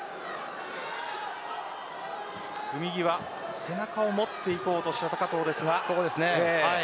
組み際、背中をもっていこうとした高藤ですが。